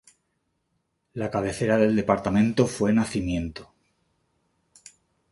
La cabecera del departamento fue Nacimiento.